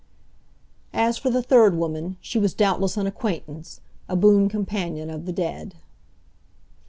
As for the third woman, she was doubtless an acquaintance, a boon companion of the dead.